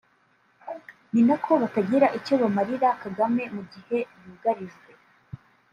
ni nako batagira icyo bamarira Kagame mu gihe yugarijwe